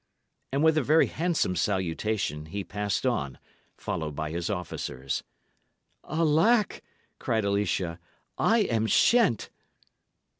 And with a very handsome salutation he passed on, followed by his officers. "Alack," cried Alicia, "I am shent!"